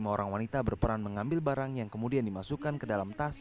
lima orang wanita berperan mengambil barang yang kemudian dimasukkan ke dalam tas